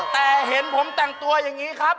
แต่เห็นผมแต่งตัวอย่างนี้ครับ